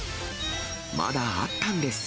まだあったんです。